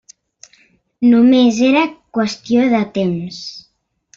Només era qüestió de temps.